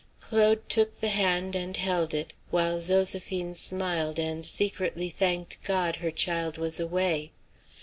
Claude took the hand and held it, while Zoséphine smiled and secretly thanked God her child was away.